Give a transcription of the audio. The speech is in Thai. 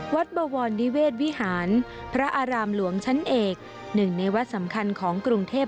บวรนิเวศวิหารพระอารามหลวงชั้นเอกหนึ่งในวัดสำคัญของกรุงเทพ